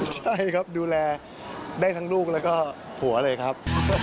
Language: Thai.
ใช่ครับดูแลได้ทั้งลูกแล้วก็ผัวเลยครับ